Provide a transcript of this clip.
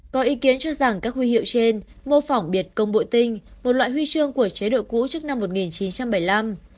có ý kiến cho rằng các huy hiệu trên mô phỏng biệt công bội tinh một loại huy chương của chế độ cũ trước năm một nghìn chín trăm bảy mươi năm